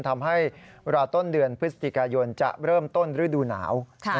ทำให้รอต้นเดือนพฤศจิกายนจะเริ่มต้นฤดูหนาว